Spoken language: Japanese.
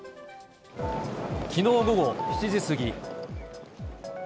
きのう午後７時過ぎ。